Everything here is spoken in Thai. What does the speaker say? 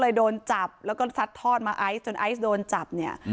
โดนจับแล้วก็ซัดทอดมาไอซ์จนไอซ์โดนจับเนี่ย